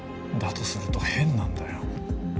だとすると変なんだよ。